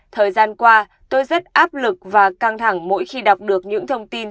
thời gian qua tôi rất áp lực và căng thẳng mỗi khi đọc được những thông tin